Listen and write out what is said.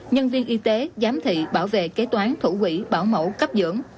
nhân viên y tế giám thị bảo vệ kế toán thủ quỹ bảo mẫu cấp dưỡng